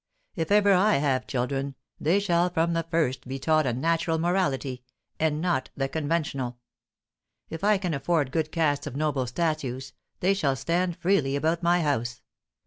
If ever I have children, they shall from the first he taught a natural morality, and not the conventional. If I can afford good casts of noble statues, they shall stand freely about my house.